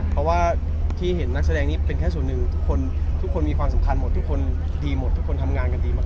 เพราะว่าที่เห็นนักแสดงนี้เป็นแค่ส่วนหนึ่งทุกคนทุกคนมีความสำคัญหมดทุกคนดีหมดทุกคนทำงานกันดีมาก